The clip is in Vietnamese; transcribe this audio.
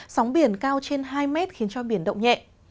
sóng biển cao trên hai mét khiến cho biển động nhẹ